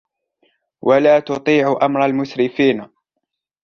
ولا تطيعوا أمر المسرفين